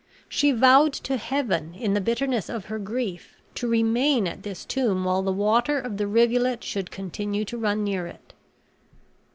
She vowed to heaven, in the bitterness of her grief, to remain at this tomb while the water of the rivulet should continue to run near it."